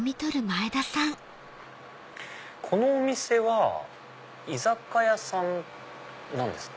このお店は居酒屋さんなんですか？